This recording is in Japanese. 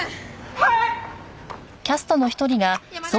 はい！